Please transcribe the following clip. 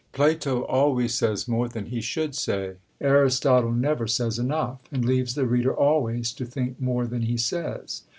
Plato always says more than he should say: Aristotle never says enough, and leaves the reader always to think more than he says.